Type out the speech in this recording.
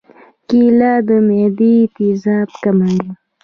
کېله د معدې تیزاب کموي.